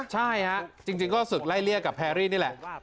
ใช่ฮะจริงก็ศึกไล่เลี่ยกับแพรรี่นี่แหละ